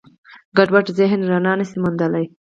ګډوډ ذهن رڼا نهشي موندلی.